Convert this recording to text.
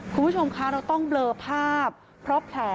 คุณผู้ชมคะ